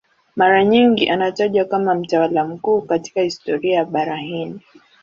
Mara nyingi anatajwa kama mtawala mkuu katika historia ya Bara Hindi.